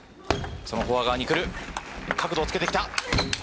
そのフォア側に来る、角度をつけてきた。